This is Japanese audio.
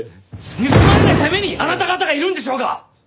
盗まれないためにあなた方がいるんでしょうが！！